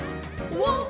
ワン。